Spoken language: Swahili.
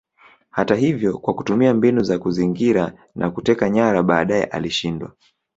Hata hivyo kwa kutumia mbinu za kuzingira na kuteka nyara baadaye alishindwa